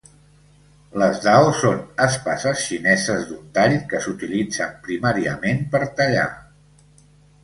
Les Dao són espases xineses d'un tall que s'utilitzen primàriament per tallar.